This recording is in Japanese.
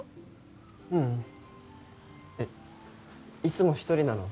ううんえっいつも一人なの？